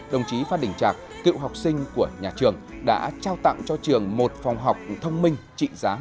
đồng chí phát đình trạc cựu học sinh của nhà trường đã trao tặng cho trường một phòng học thông minh trị giá năm trăm linh triệu đồng